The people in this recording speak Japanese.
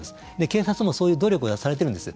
警察もそういう努力はされているんです。